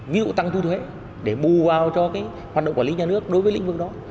ví dụ tăng thu thuế để bù vào cho hoạt động quản lý nhà nước đối với lĩnh vực đó